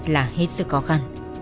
là hết sức khó khăn